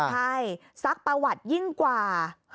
ใช่ซักประวัติยิ่งกว่า